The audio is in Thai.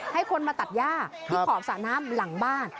ให้คนมาตัดย่าที่ขอบสระน้ำหลังบ้าน